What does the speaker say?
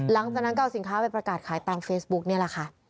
หลังจากนั้นก็เอาสินค้าไปประกาศขายตามเฟซบุ๊กนี่แหละค่ะ